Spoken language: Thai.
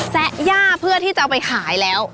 แซะย่าเพื่อที่จะเอาไปขายแล้ว